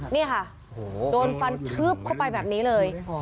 นี่ค่ะโดนฟันทึบเข้าไปแบบนี้เลย